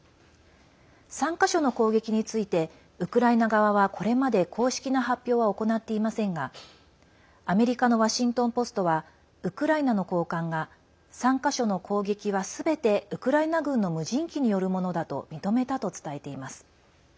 ３か所の攻撃についてウクライナ側はこれまで公式な発表は行っていませんがアメリカのワシントン・ポストはウクライナの高官が３か所の攻撃はすべてウクライナ軍の無人機によるものだと認めたと伝えています。